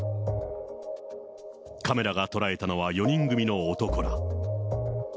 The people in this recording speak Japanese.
カメラが捉えたのは４人組の男ら。